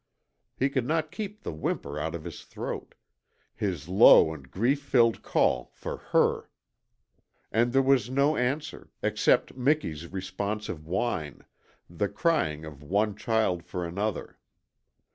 He could not keep the whimper out of his throat his low and grief filled call for HER. And there was no answer, except Miki's responsive whine, the crying of one child for another.